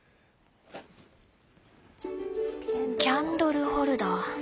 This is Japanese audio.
キャンドルホルダー。